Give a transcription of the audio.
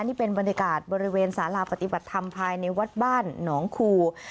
นี่เป็นบรรยากาศบริเวณสาราปฏิบัติธรรมภายในวัดบ้านหนองคู